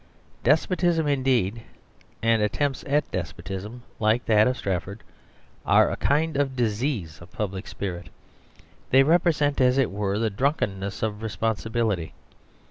Despotism indeed, and attempts at despotism, like that of Strafford, are a kind of disease of public spirit. They represent, as it were, the drunkenness of responsibility.